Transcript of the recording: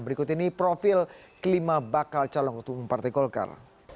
berikut ini profil kelima bakal calon ketua umum partai golkar